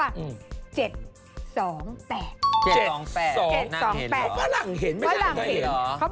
อ้านุปะ๗๒๘